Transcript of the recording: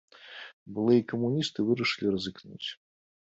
Былыя камуністы вырашылі рызыкнуць.